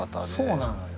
そうなのよ。